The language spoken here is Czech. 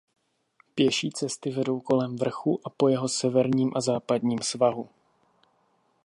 Pěší cesty vedou kolem vrchu a po jeho severním a západním svahu.